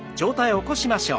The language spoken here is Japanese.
起こしましょう。